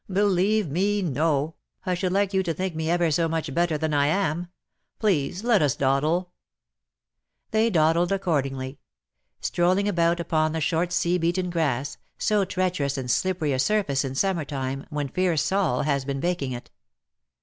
" Believe me, no. I should like you to think me ever so much better than I am. Please, let us dawdle.^^ They dawdled accordingly. Strolling about upon the short sea beaten grass, so treacherous and slippery a surface in summer time, when fierce Sol has been baking it.